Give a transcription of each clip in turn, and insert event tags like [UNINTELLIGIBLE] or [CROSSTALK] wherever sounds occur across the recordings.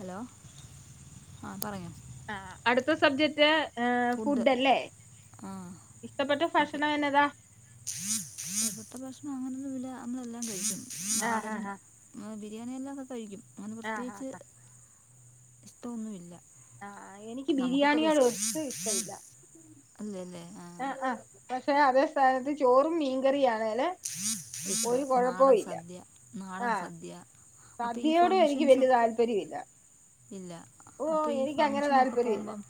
Hello ആ പറഞ്ഞോ ആഹ് അടുത്ത സബ്ജക്റ്റ് ഏഹ് ഫുഡ് അല്ലേ ആ ഇഷ്ടപ്പെട്ട ഭക്ഷണം വനതാ പസത്തെ ഭക്ഷണം അങ്ങനെയുള്ള വില നമ്മളെല്ലാം കഴിക്കും ആഹ് നാടനും ഹ ഹ ബിരിയാണിെല്ലാം ഒക്കെ കഴിക്കും അങ്ങനെ ആഹ് ഹ പ്രത്യേകിച്ച് ഹ ഇഷ്ടമൊന്നുമില്ല ആഹ് എനിക്ക് ഇപ്പം നമുക്കിപ്പോൾ ബിരിയാണികോട് വിശ ഒർത്തും ഇഷ്ടമില്ല അല്ലേ അല്ലേ ആ ആഹ് ആഹ് പക്ഷെ അതേ സ്ഥാനത്ത് ചോറും മീൻകറിയാണേല് ഒരു ഇഷ്ടം കൊഴപ്പവും നാടൻ ഇല്ല സദ്യ നാടൻ ആ സദ്യ അപ്പോൾ ഈ സദ്യയോട് എനിക്ക് ഫങ്ഷൻസ് വലിയ താല്പര്യം പര്യം ഇല്ല ഇല്ല ഓ അപ്പൊ ഈ എനിക്ക് അങ്ങനെ ഫങ്ഷനൊക്കെ താല്പര്യം ഇല്ല പോവുമ്പം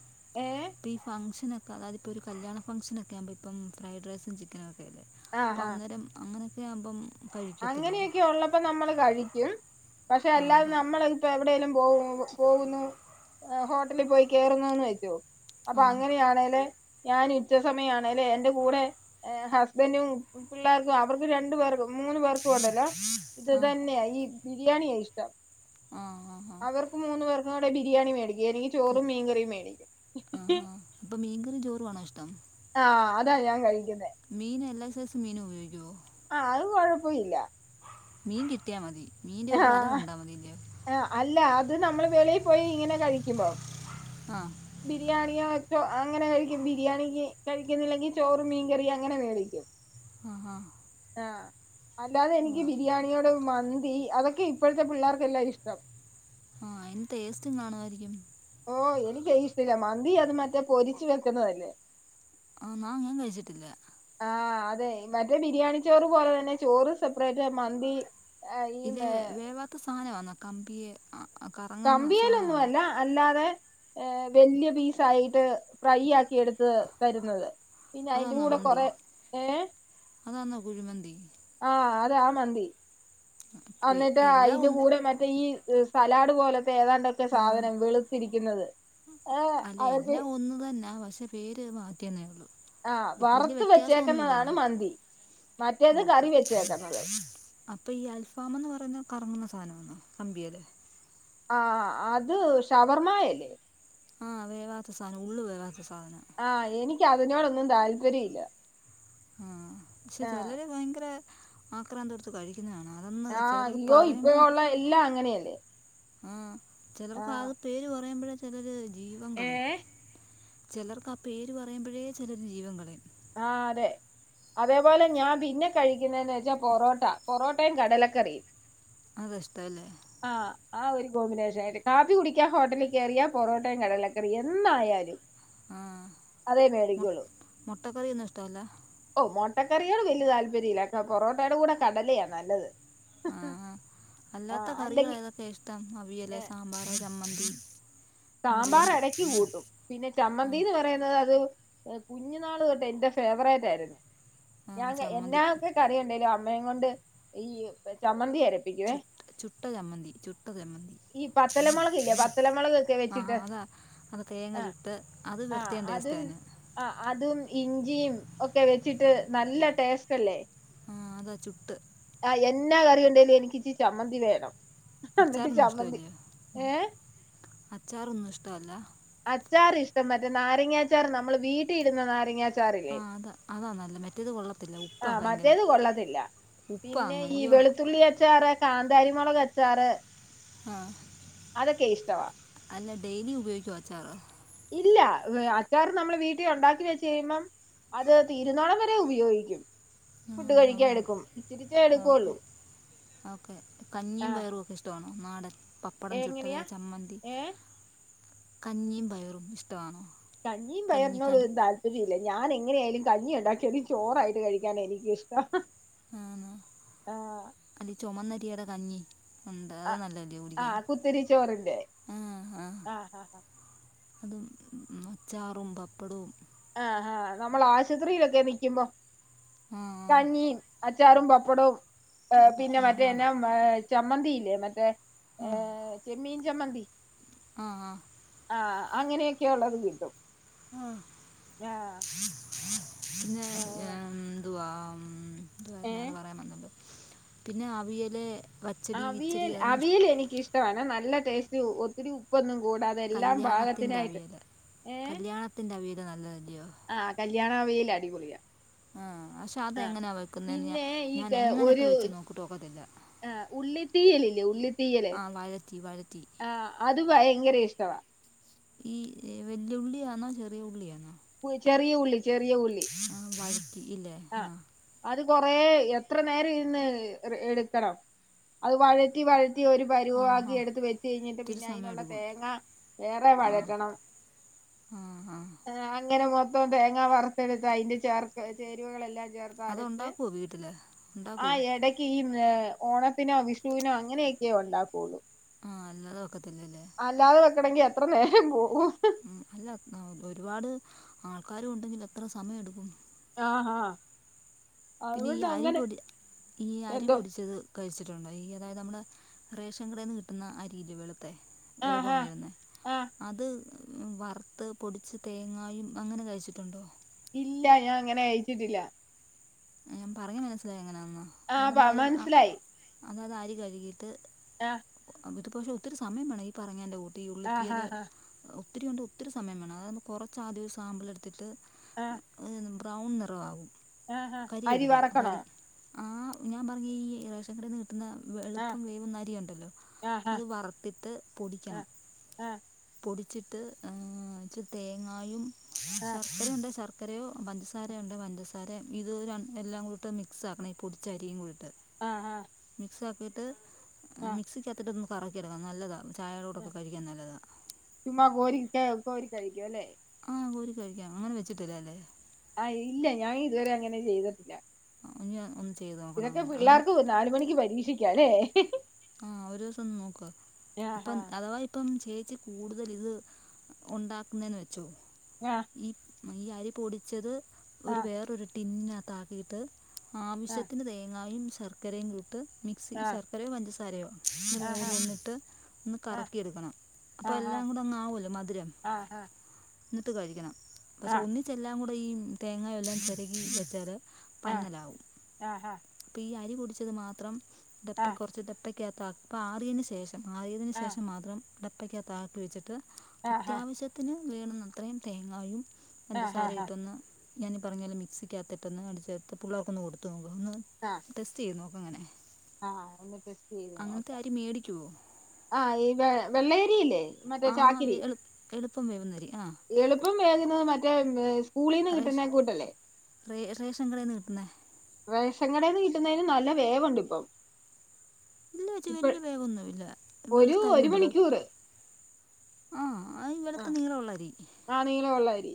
ഏ അപ്പോൾ ഈ ഫംഗഷനൊക്കെ അതായതിപ്പോൾ ഒരു കല്യാ ഫ്ഷനൊക്കെകുമ്പോൾ ഇം ഫ്രൈഡ് റൈസും പിക്കനും ഒക്കെ അല്ലെ അപ്പ ആഹ് ആഹ് അന്നേരം അങ്ങനൊക്കെ ആുമ്പം അങ്ങനെയൊക്കെ ഉള്ളപ്പോ നമ്മൾ കഴിക്കും പക്ഷെ ആ അല്ലാതെ അതാ നമ്മൾ ഇപ്പൊ എവിടെെങ്കലും പോ കു പോകുന്നു ഹോട്ടലിൽ പോയി കേയറുന്നുന്ന് വെച്ചോ അപ്പൊ ആ അങ്ങനെയാണേല് ഞാൻ ഉച്ചസമയണല്ലെ എന്റെ കൂടെ ഹസ്ബൻറും പിള്ളേർക്കും അവർക്ക് രണ്ടു പേർക്കും മൂന്ന പേർക്കും ഉണ്ടല്ലോ ഇത് ആ തന്നെയ ഈ ബിരിയാണിയ ഇഷ്ടം ആ ആ ആ അവർക്ക് മൂന്ന് പേർക്കും കൂടെ ബിരിയാണി മേടിക്കും അല്ലങ്കിൽ ഹല ആഹാ അപ്പൊ മീൻകറിി ചോറു വണോ ഇഷ്ടം ആഹ അതാ ഞാൻ കഴിക്കുന്നത് മീൻ എല്ലാ സൈസ്മീൻ ഉപയോഗിക്കുവോ ആഹ അതു കൊഴപ്പ ഇല്ല മീൻ കിട്ടിയാൽ മതി മീന്റെ ഒരു തല കണ്ടാൽ മതി ഇല്ലയോ ആ അല്ല അത് നമ്മള് വെളയിൽ പോയി ഇങ്ങനെ കഴിക്കുമ്പോം ആഹ് ബിരിയാണിയോ മറ്റോഅങ്ങനെ കഴിക്കും ബിരിയാണിക്ക് കഴിക്കുന്നില്ലെങ്കിൽ ചോറും മീൻ കറി അങ്ങനെ മേടിക്കും ആഹ ഹാ ആഹ അല്ലാതെ എനിക്ക് ബിരിയാണിയോട് മന്തി അതൊക്കെ ഇപ്പോഴത്തെ പിള്ളേർക്കെല്ലാം ഇഷ്ടം ആഹ അതിന് ടേസ്റ്റും കാണുമായിരിക്കും ഓ എനിക്ക് ഇഷ്ടമല്ല മന്തി അത് മറ്റേ പൊരിച്ചു വെക്കുന്നതല്ലേ ആഹ നാ അങ്ങനും കഴിച്ചിട്ടില്ലേ ആഹ് അതെ മറ്റേ ബിരിയാണി ചോറ് പോലതന്നെ ചോറ് സെപ്പറേറ്റ് മന്തി ഈ ഇതേ വേവാത്ത സാനവാന്നോ കമ്പിയെ ആ, ആ, കറങ്ങുന്ന സാധനമാണോ കമ്പിയേലൊന്നുവല്ല അല്ലാതെ ഏഹ് വെല്ല്യ പീസായിട്ട് ഫ്രൈ ആക്കിയെടുത്ത് തരുന്നത്. പിന്നെ അയിന്റെ അതാന്നോ കൂടെ മന്തി കൊറെ ഏഹ് അതാന്നോ കുഴിമന്തി? ആഹ് അതാ മന്തി ഇപ്പൊ അന്നിട്ട് എല്ലാം അയിന്റെ ഒന്ന് കൂടെ മറ്റേ ഈ സലാഡ് പോലത്തെ ഏതാണ്ടക്കെ ആ സാധനം വെളുത്തിരിക്കുന്നത് ഏഹ് അവർക്ക് ഒന്നു തന്നാ പഷേ പേര് മാറ്റിയന്നേള്ളൂ. ആഹ് വെല്ല്യ വറുത്ത് വെച്ചേക്കുന്നതാണ് വ്യത്യാസന്നുല്ലല്ലോ മന്തി മറ്റേത് ഓക്കെ. കറി വെച്ചേക്കുന്നത് അപ്പ ഈ അൽഫാമന്ന് പറയുന്ന കറങ്ങുന്ന സാനാണോ കമ്പിയേല്? ആഹ് അത് ഷവർമ്മയല്ലേ? ആഹ് വേവാത്ത സാനം ഉള്ള് വേവാത്ത സാധനം. ആഹ് എനിക്ക് അതിനോടൊന്നും താല്പര്യല്ല. ആഹ് ക്ഷെ ചെലര് ഭയങ്കര ത്രാന്തോടുത്ത് കഴിക്കുന്ന കാണാം അതന്ന് ചെലർക്ക് പറയുമ്പം ഇല്ല അങ്ങനെയല്ലേ? ആ ആഹ് ചെലർക്കാത് പേര് പറയുമ്പഴെ ചെലര് ജീവം കളയും. ഏഹ് ചെലർക്ക് ആ പേര് പറയുമ്പഴേ ചെലര് ജീവം കളയും. ആഹ് അതെ. അതേപോലെ ഞാൻ പിന്നെ കഴിക്കുന്നെന്ന് വെച്ചാ പൊറോട്ട പൊറോട്ടയും കടലക്കറിയും. അത്ഷ്ട്ടല്ലേ? ആഹ് ആ ഒരു കോമ്പിനേഷായിട്ട് കാപ്പി കുടിക്ക ഹോട്ടലിൽ കേറിയ പൊറോട്ടയും കടലക്കറിം എന്നായാലും. ആഹ് അതേ മുട്ട് മേടിക്കുള്ളൂ മുട്ടക്കറിയൊന്നുഷ്ടല്ല? ഓ മൊട്ടക്കറിയോട് വെല്ല്യ താല്പര്യല്ല പൊറോട്ടേടെ കൂടെ കടലയാ നല്ലത്. ആഹ് ആ അല്ലാത്ത കറികള് അല്ലെങ്കിൽ ഏതക്കെയാ ഇഷ്ടം അവിയല്, സാമ്പാറ്, ചമ്മന്തി? മോരുകറി സാമ്പാറെടക്ക് കൂട്ടും പിന്നെ ആ ചമ്മന്തിന്ന് പറയുന്നത് അത് ഏഹ് കുഞ്ഞുനാള് തൊട്ടെ എന്റെ ഫേവറേറ്റ് ആര്ന്ന്‌ ആ ഞാൻക്കെ ചമ്മന്തി എന്നാക്കെ കറിണ്ടേലും അമ്മേം കൊണ്ട് ഈ ചമ്മന്തിയര ചുട്ട് ചുട്ട ചമ്മന്തി ചുട്ട ചെമ്മന്തി. ഈ പത്തലമുളകില്ലേ പത്തലമുളക് ഒക്കെ വെച്ചിട്ട് ആഹ് അതാ അത് തേങ്ങ ആ ചുട്ട് അത് വെർത്തിയേം ടേസ്റ്റാന്. ആഹ് അതും ഇഞ്ചിയും ഒക്കെ വെച്ചിട്ട് നല്ല ടേസ്റ്റല്ലേ? ആഹ് അതാ ചുട്ട് ആഹ് എന്നാ കറിയ്ണ്ടേലും എനിക്കിച്ചി ചമ്മന്തി വേണം അന്നിട്ട് ചമ്മന്തി ഏഹ്? അച്ചാറൊന്നുഷ്ടല്ല? അച്ചാറ് ഇഷ്ടം മറ്റേ നാരങ്ങച്ചാർ നമ്മള് വീട്ടി ഇടുന്ന നാരങ്ങ ച്ചാറില്ലേ ആ അതാ അതാ നല്ലത് മറ്റേത് കൊള്ളത്തില്ല ഉപ്പാണ് ആഹ് ഭയങ്കര മറ്റേത് കൊള്ളത്തില്ല. ഉപ്പാണ് പിന്നെ അങ്ങ് ഈ അയ്യോ വെളുത്തുള്ളി അച്ചാറ് കാന്താരിമൊളകച്ചാറ് ആഹ് അല്ല ഡെയിലി ഉപയോഗിക്കുവോ അച്ചാറ്? ഇല്ല അച്ചാറ് നമ്മള് വീട്ടി ഒണ്ടാക്കി വെച്ച് കഴിയുമ്പം അത് തിരുന്നോടം വരെ ഉപയോഗിക്കും. ഫുഡ് ആഹ് കഴിക്കാൻ ആഹ് എടുക്കും ഇത്തിരിച്ചേ ഓക്കെ എടുക്കുള്ളൂ ഓക്കേ ആ കഞ്ഞീം പയറുവൊക്കെ ഇഷ് ട്ടോണോ നാടൻ പപ്പടം ചുട്ടതെ എങ്ങനെയാ ചമ്മന്തി ഏ കഞ്ഞീം പയറും ഇഷ്ടവാണോ? കഞ്ഞീം പയറിനോട് ഒരുതാൽ പര്യല്ല ഞാനെങ്ങനെ ആയാലും കഞ്ഞി ഒണ്ടാക്കിയാലും ചോറായിട്ട് കഴിക്കാനാ എനിക്കിഷ്ടം. ആന്നോ ആ അല്ലീ ചൊമന്നരിയടെ കഞ്ഞി. ഒണ്ട് അത് നല്ലല്ലേ ആ കുടിക്കാൻ കുത്തിരിച്ചോറിന്റെ ആഹ് ആഹ് ആ അതുംച്ചാറും പപ്പടവും ആഹ് ആഹ് നമ്മൾ ആശുപത്രിയിലൊക്കെ നിക്കുമ്പോ ആ ആ കഞ്ഞിയും അച്ചാറും പപ്പടവും ആ, പിന്നെ ആ മറ്റേ ആ എന്താ ചമ്മന്തിയില്ലേ മറ്റേ ഏഹ് ചെമ്മീൻ ചമ്മന്തി ആഹ് ആഹ് ആ അങ്ങനെയൊക്കെ ഉള്ളത് കിട്ടും ആഹ് ആഹ് പിന്നെ ആഹ് എന്തുവാ ഉം എത് കാരണംത് ഏഹ് പറയാൻ വന്നല്ലോ പിന്നെ അവിയയിലെ അവിയൽ അവിയൽ എനിക്ക്ിഷ്ടമാണ് നല്ല ടേസ്റ്റ് ഒത്തിരി ഉപ്പൊന്നും കൂടാത കല്യാണത്തിന്റെ അവിയൽ ഏഹ് കല്യാണത്തിന്റെ അവിയല് നല്ലതല്ലയോ ആഹ് കല്യാണ വിയൽ അടിപൊളിയാ ആഹ് പക്ഷെ അത ആഹ് എങ്ങനെയാ വെക്കുന്ന ഞ പിന്നെ ഈ ഞാൻ ക- എങ്ങനെയൊക്കെ ഒരു വെച്ച് നോക്കിട്ട് ഒക്കത്തില്ല ആഹ് ഉള്ളിത്തീയൽ ഇല്ലേ ഉള്ളിത്തീയല് ആ വഴറ്റി വഴറ്റി ആഹ് അത് ഭയങ്കര ഇഷ്ടവാ ഈ വെല്ലിയുള്ളിയാണോ ചെറിയ ഉള്ളിയാണോ ചെറിയ ഉള്ളി ചെറിയ ഉള്ളി ആ വഴറ്റി ഇല്ലേ ആ ആഹ് അത് കൊറേ എത്ര നേരം ഇരുന്ന് എടുക്കണം അത് വഴറ്റി വഴറ്റി ഒരു ആ ആ പരുവവാക്കി എടുത്ത് വെച്ച് കഴിഞ്ഞിട്ട് ഒത്തിരി പിന്നെ സമയം അതിനുള്ള എടുക്കും തേങ്ങ വേറെ വഴറ്റണം ആഹ് ഹ അങ്ങനെ മൊത്തം തേങ്ങാ വറുത്തെടുത്ത അതിന്റെ ചേര വ ചേരുവകളെല്ലാം ചേർത്ത് കാരറ്റ് അതുണ്ടാക്കുമോ വീട്ടിൽ ഉണ്ടാക്കുമോ ആഹ് എട ഈ ഓണത്തിനോ വിഷുവിനോ അങ്ങനെയൊക്കെയ ഉണ്ടാക്കുള്ളൂ ആഹ് അല്ലാതെ ഒക്കത്തില്ലല്ലേ അല്ലാതെ വെക്കണമെങ്കിൽ എത്ര നേരം പോകും അല്ല ഒരുപാട് ആൾക്കാരും ഉണ്ടെങ്കിൽ എത്ര സമയമ എടുക്കും ആ ഹഹ പിന്നെ ഈ അരി പൊടി ഈ അരി എന്തോ പൊടിച്ചത് കഴിച്ചിട്ടുണ്ട് ഈ അതായത് നമ്മുടെ റേഷൻ കടയിൽ നിന്ന് കിട്ടുന്ന അരിയിൽ വെളുത്തെ വലുപം ആഹാ വരുന്ന ആ അത് വറുത്ത് പൊടിച്ച് തേങ്ങായും അങ്ങനെ കഴിച്ചിട്ടുണ്ടോ ഇല്ല ഞാൻ അങ്ങനെ കഴിച്ചിട്ടില്ല ഞാൻ പറഞ്ഞ മനസ്സിലായി എങ്ങനാണോന്ന് ആ അതായത് പ നമ്മൾ അരി ആ മനസ്സിലായി അതായത് അരി കഴുകിട്ട് ആഹ് ഇതുപക്ഷെ ഒത്തിരി സമയം വേണം ഈ പറഞ്ഞ എന്റെ കൂട്ടി ആഹാ ഉള്ളിത്തിയല് ഹാ ഒത്തിരി കൊണ്ട് ഒത്തിരി സമയം വേണം അതായ ന കുറച്ച് ആദ്യം സാമ്പിൾ എടുത്തിട്ട് എ അങ്ങനെ ബ്രൗൺ നിറമാവും ആഹാ അരി കരിയരുത് വറക്കണോ കരി ആഹ് ഞാൻ പറഞ്ഞ ഈ റേഷൻ കട നിന്ന് കിട്ട കിട്ടുന്ന ആ വളുപ്പം വേവും ന്ന അ രി ഉണ്ടല്ലോ ആഹാ അത് വറുത്തിട്ട് ആ പൊടിക്കണം ആ പൊടിച്ചിട്ട് ഇച്ചിരി തേങ്ങായും ആ ശർക്കര ഉണ്ട് ശർക്ക രയോ പഞ്ചസാരയുണ്ട് പഞ്ചസാര ഇത് എല്ലാം കൂടിയിട്ട് മിക്സ് ആക്കണം ഈ പൊടിച്ചരിയും കൂടിയിട്ട് ആഹ് ഹ മിക്സ് ആക്കിയിട്ട് മിക്സിക്കകത്തിട്ടൊന്ന് കറക്കിടുക്കാം നല്ലതാ ചായയുടെ കൂടൊക്കെ കഴിക്കാൻ നല്ലതാണ് ചുമ്മാ കോരി കോരി കഴിക്കും അല്ലേ ആഹ് കോരി കഴിക്കാം അങ്ങനെ വെച്ചിട്ടില്ല അല്ലേ ആഹ് ഇല്ല ഞാൻ ഇതുവരെ അങ്ങനെ ചെയ്തിട്ടില്ല [UNINTELLIGIBLE] ഇതൊക്കെ അങ്ങനെ അങ്ങനെ പിള്ളേർക്ക് നാല് മണിക്ക് പരീക്ഷിക്കല്ലേ ആഹ് ഒരു ദിവസം നോക്ക് അപ്പൊ ആഹ് അഥവാ ഇപ്പം ചേച്ചി കൂടുതൽ ഇത് ഉണ്ടാക്കുന്നെന്ന് വെച്ചോ ആഹ് ഈ ഈ അരി പൊടിച്ചത് ഒരു വേറൊരു ടിന്നകത്ത് ആക്കിയിട്ട് ആഹ് ആവശ്യത്തിന് തേങ്ങയും ശർക്കരയും കൂട്ട് മിക്സി ആഹ് ശർക്കരയും പഞ്ച സരയും ഈ മൂന്ന് ആഹ് ഒന്ന്ട്ട് കറക്കിയെടുക്കണം അപ്പൊ ആഹ് എല്ലാം കൂടെ അങ്‌ ആവുലോ മധുരം ആഹ് ആഹ് എന്നിട്ട് കഴിക്കണം പക്ഷെ ആഹ് ഒന്നിച്ചെല്ലാം കൂടെ ഈ തേങ്ങെല്ലാം ചെരകി വെച്ചാല് ആഹ് പന്നലാവും ആഹ് അപ്പ ഈ അരി പൊടിച്ചത് മാത്രം ആഹ് ഡപ്പ ആഹ് കുറച്ച് ഡപ്പ ക്കകത്ത് ആറിയതിനു ശേഷം ആറിയതിന് ആഹ് ശേഷം മാത്രം ടപ്പക്കകത്ത് ആക്കി വെച്ചിട്ട് ആഹ് അത്യാവശ്യത്തിന് വേണുന്ന അത്രയും തേങ്ങായും ആഹ് പഞ്ചസാരായിട്ടൊന്ന് ഞാൻ ഈ പറഞ്ഞോല മിക്സിക്കകത്തിട്ട ഒന്ന് അടിച്ചേർത്ത് പിള്ളേർക്കൊന്ന് കൊടുത്ത് നോക്കു ഒന്ന് ആഹ് ടെസ്റ്റ് ചെയ്ത് നോക്കു അങ്ങനെ ആഹ് ഒന്ന് ടെസ്റ്റ് ചെയ്ത് അങ്ങനത്തെ നോക്കാം അരി മേടിക്കുമോ ആഹ് ഈ വ വെള്ളയരിയല്ലേ ആഹ് എളു എളുപ്പം വേവുന്നരി ആഹ് എളുപ്പം വേകുന്നത് മറ്റേ സ്കൂളിൽ നിന്ന് കിട്ടുന്നേ കൂട്ടല്ലേ റേ റേഷൻ കടയന്ന് കിട്ടുന്നത് റേഷൻ കടന്ന് കിട്ടുന്നതിന് നല്ല വേവുണ്ട് ഇപ്പം ഇല്ല ചേച്ചി ഇപ്പ വല്യ വേവന്നുല്ല ഒരു വെളുത്തരി ഒരു ഉണ്ടല്ലോ മണിക്കൂറ് ആഹ് ഈ വെളക്ക നീള ഉള്ളരി ആഹ് നീളമുള്ള അരി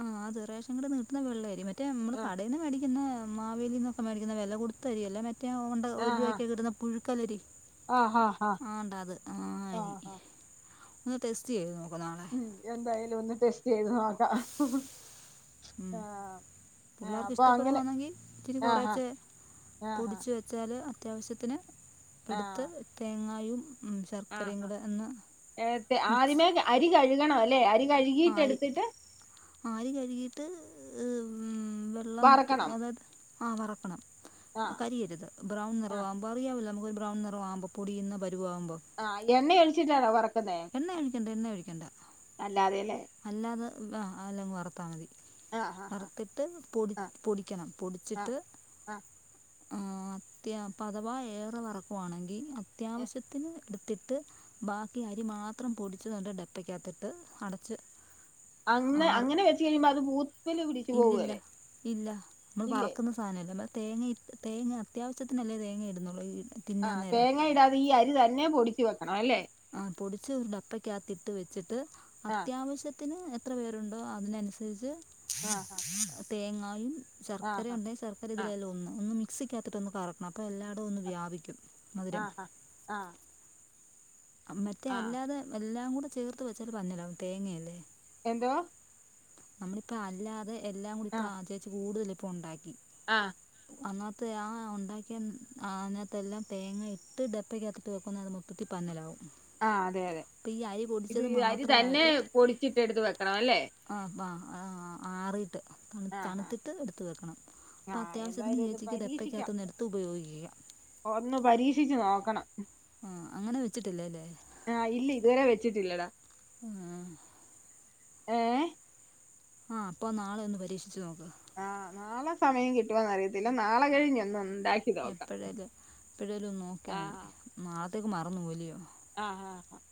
ആഹ് അത് റേഷൻ കടേന് കിട്ടുന്ന വെള്ളയരി മറ്റേ നമ്മള് ആ കടയിൽ നിന്ന് മേടിക്കുന്ന മാവേലിന്നൊക്കെ മേടിക്കുന്ന വെല കൊടുത്തരി അല്ല മറ്റേ കൊണ്ട ആ ഒരു ആ രൂപക്കെ കിട്ടുന്ന പുഴുക്കലരി ആ ഹാ ഹാ ആണ്ട അത് ആ അരി ഒന്ന് ടെസ്റ്റ് ചെയ്ത് നോക്ക് നാളെ ഉം എന്തായാലും ഒന്ന് ടെസ്റ്റ് ചെയ്ത് നോക്കാം ഉം. ആഹ് ആഹ് പിള്ളേർക്ക് അപ്പൊ അങ്ങനെ ഇഷ്ടപ്പെടുവാണെങ്കിൽ ആഹ്ഹ ആഹ്ഹ ചെല അത്യാവശ്യത്തിന് എടുത്ത് തേങ്ങായും ഉം ശർക്കരയും ആഹാ കൂടെ ഒന്ന് ഏത്തെ മിക്സ് ആദ്യമേ അരി കഴുകണം അല്ലേ അരി ആഹ് കഴുകിയിട്ട് അരി എടുത്തിട്ട് ആഹ് അരി കഴുകിട്ട് വ് വെ വെള്ളം വറക്കണം തോരാ ആഹ് വറ്ക്കണം ആ കരിയരുത് ബ്രൗൺ ആ നിറമാവു അപ്പ അറിയാമല്ലോ നമുക്ക് ഒരു ബ്രൗൺ നിറം ആവുമ്പോ പൊടിന്ന പരുവ ആവുമ്പോ ആഹ് എണ്ണയോഴിച്ചിട്ടണോ വറക്കുന്നേ എണ്ണ ഒഴിക്കണ്ട എണ്ണ ഒഴിക്കേണ്ട അല്ലാതെ അല്ലെ അല്ലാതെ അല്ലെ വറുത്താൽ മതി ആ ആ ആ വറുത്തിട്ട് പൊടി ആ പൊടിക്കണം ആ പൊടിച്ചിട്ട് ആ ആഹ് അത്യാ അഥവാ ഏറെ വറക്കുവാണെങ്കിൽ അത്യാവശ്യത്തിന് എടുത്തിട്ട് ബാക്കി അരി മാത്രം പൊടിച്ചതു ഡപ്പയ്ക്കകത്തിട്ട് അട ച്ച് അന്ന് അങ്ങനെ വെച്ച് കഴിയുമ്പോ അത് പൂ ഇല്ലല്ല ഇല്ല നമ്മൾ ഇല്ലേ വറക്കുന്ന സാധനമല്ലേ നമ്മ തേങ്ങ ഇ തേങ്ങ അത്യാവശ്യത്തിനല്ലേ തേങ്ങ ഇടുന്നുള്ളൂ ഈ തിന്നാൻ ആഹ് നേരം തേങ്ങ ഇടാതെ ഈ അരി തന്നെ പൊടിച്ചു വെക്കണം അല്ലെ ആഹ് പൊടിച്ച് ഒരു ഡപ്പയ്ക്കകത്തിട്ട് വെച്ചിട്ട് ആ അത്യാവശ്യ ത്തിന് എത്ര പേരുണ്ടോ അതിനനുസരിച്ച് ആ തേങ്ങായും ആ ശർക്കര ആ ഉണ്ടെങ്കിൽ ശർക്കര ആ ഇതിലെല്ലാം ഒന്ന് ഒന്ന് മിക്സിക്കകത്തിട്ട് ഒന്ന് കറക്കണം അപ്പോ എല്ലായിടും ഒന്ന് വ്യാപിക്കും മധുരം ആഹ് അഹ് ആഹ് മറ്റേ അല്ലാതെ എല്ലാം കൂടെ ചേർത്ത് വെച്ചാൽ പന്നില്ല തേങ്ങയല്ലേ എന്തൊ നമ്മളിപ്പ അല്ലാതെ എല്ലാം കൂടി ഇപ്പൊ ആഹ് ചേച്ചി കൂടുതലിപ്പൊ ഉണ്ടാക്കി ആഹ് അന്നത്തെ ആഹ് ഉണ്ടാക്കിയ അന്നത്തെ എല്ലാം തേങ്ങ ഇട്ട് ഡപ്പക്കാത്ത് ഇട്ട് വെക്കുന്നത്ത് മൊത്തത്തി പന്നലാവും ആഹ് അതെ അതെ അപ്പം ഈ അരി ഇത് പൊടിച്ചത് അരി തന്നെ മാത്രമായിട്ട് പൊടിച്ചിട്ട് എടുത്ത് വെക്കണം ല്ലേ അ ബ ആഹ് ആറീട്ട് തണു ആഹ് ആഹ് തണുത്തിട്ട് എടുത്ത് വെക്കണം അപ്പോ ആഹ് അത്യാവശ്യത്തിന് എന്തായാലും ഇത് ചേച്ചിക്ക്ത് പരീക്ഷിക്കാം ഡപ്പക്കകത്തൊന്ന് എടുത്ത് ഉപയോഗിക്കുക ഒന്ന് പരീക്ഷിച്ച് നോക്കണം ആഹ് അങ്ങനെ വെച്ചിട്ടില്ലല്ലേ ആഹ് ഇല്ല ഇതുവരെ വെച്ചിട്ടില്ലടാ ആഹ് ഏഹ് ആഹ് അപ്പൊ നാളൊന്ന് പരീക്ഷിച്ച് നോക്ക ആഹ് നാളെ സമയം കിട്ടുവോന്ന് അറിയത്തില്ല നാളെ കഴിഞ്ഞ് ഒന്ന് ഉണ്ടാ എപ്പോഴേല് എപ്പോഴേലും ഒന്ന് നോക്കിയാ മതി നാളത്തേക്ക് മറന്നു പോവല്ലേയോ ആഹ് ആഹ് ആഹ്